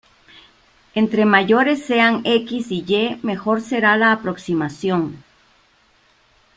Entre mayores sean "x" y "y", mejor será la aproximación.